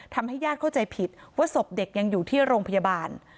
ทำให้ญาติเข้าใจผิดว่าศพเด็กยังอยู่ที่โรงพยาบาล